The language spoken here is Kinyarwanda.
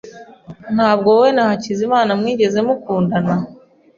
Ntabwo wowe na Hakizimana mwigeze mukundana?